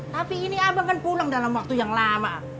tapi ini abang kan pulang dalam waktu yang lama